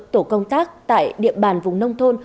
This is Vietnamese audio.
tổ công tác tại địa bàn vùng nông thôn